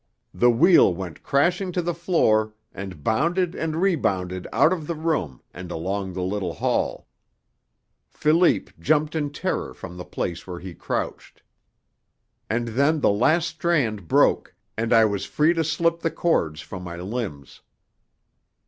The wheel went crashing to the floor and bounded and rebounded out of the room and along the little hall. Philippe jumped in terror from the place where he crouched. And then the last strand broke, and I was free to slip the cords from my limbs.